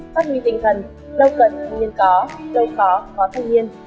phát huy tình thần đâu cần thanh niên có đâu khó có thanh niên